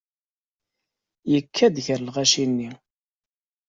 Yekka-d gar lɣaci-nni.